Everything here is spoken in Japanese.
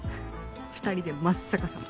２人で真っ逆さま。